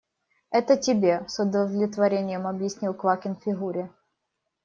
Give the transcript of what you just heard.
Это тебе, – с удовлетворением объяснил Квакин Фигуре.